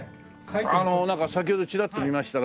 なんか先ほどチラッと見ましたら。